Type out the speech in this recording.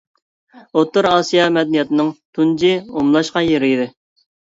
ئوتتۇرا ئاسىيا مەدەنىيەتنىڭ تۇنجى ئومۇملاشقان يېرى ئىدى.